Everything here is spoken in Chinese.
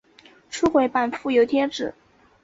初回版附有贴纸。